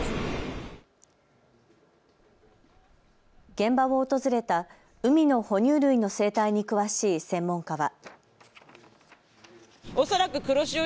現場を訪れた海の哺乳類の生態に詳しい専門家は。